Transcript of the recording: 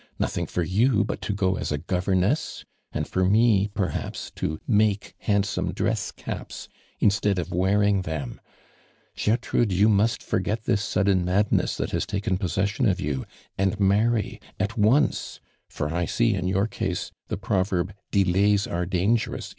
Nothing for you but to go od a governess, and for me, perhaps, to mako handsome dress cjips instead of wearing them (Jertrude, you must forgot this sud den madness that has taken possession of you, and mnrry at once, for 1 see in your case, tho i)TOverb ' Delays arc dangerous.'